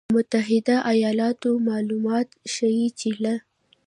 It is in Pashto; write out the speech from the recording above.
له متحدو ایالتونو مالومات ښیي چې له